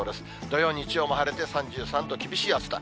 土曜、日曜も晴れて、３３度、厳しい暑さ。